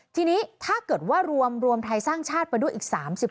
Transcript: ทีนี้ถ้าเกิดว่ารวมรวมไทยสร้างชาติไปด้วยอีก๓๐